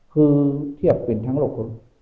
คือเทียบเป็นทั้งโลกคน